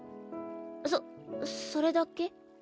そそれだけ？